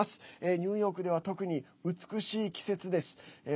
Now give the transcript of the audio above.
ニューヨークでは特に美しい季節でもあります。